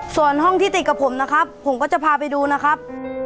ส่วนห้องที่ติดกับผมนะครับผมก็จะพาไปดูนะครับ